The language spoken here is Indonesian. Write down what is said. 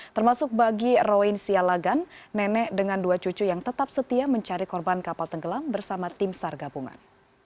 termasuk bagi roin sialagan nenek dengan dua cucu yang tetap setia mencari korban kapal tenggelam bersama tim sar gabungan